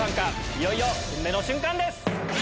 いよいよ運命の瞬間です！